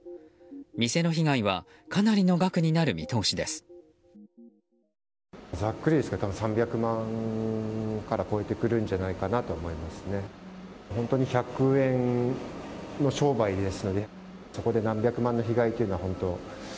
店の被害はかなりの額になる見通しです。